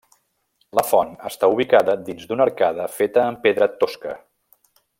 La font està ubicada dins d'una arcada feta amb pedra tosca.